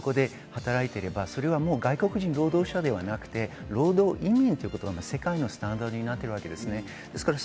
１年間以上、そこで働いていれば、それはもう外国人労働者ではなくて労働移民ということは世界のスタンダードになっています。